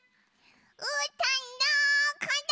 うーたんどこだ？